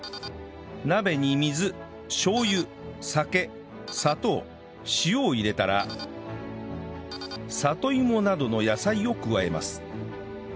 鍋に水しょう油酒砂糖塩を入れたら里芋などの野菜を加えます